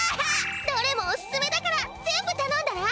どれもおススメだから全部たのんだら？